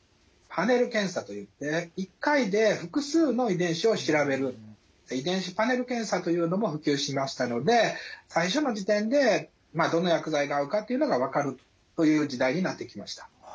パネル検査といって遺伝子パネル検査というのも普及しましたので最初の時点でどの薬剤が合うかっていうのが分かるという時代になってきました。